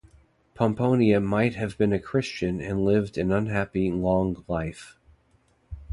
Pomponia might have been a Christian and lived an unhappy long life.